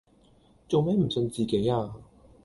做咩唔信自己呀